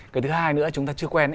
cái thứ hai nữa chúng ta chưa quen